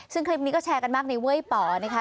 ซึ่งคลิปนี้ก็แชร์กันมากในเว้ยป๋อนะคะ